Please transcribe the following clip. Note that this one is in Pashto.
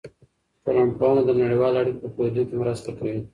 ټولنپوهنه د نړیوالو اړیکو په پوهېدو کې مرسته کوي.